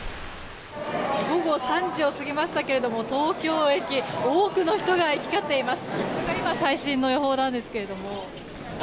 午後３時を過ぎましたが東京駅多くの人が行き交っています。